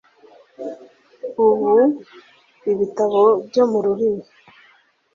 ubu ibitabo byo mu rurimi